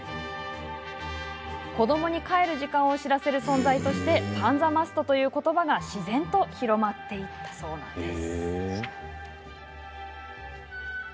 子どもに帰る時間を知らせる存在としてパンザマストということばが自然と広まっていったそうです。